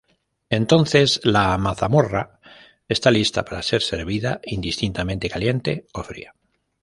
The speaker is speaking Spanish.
Entonces, la mazamorra está lista para ser servida, indistintamente caliente o fría.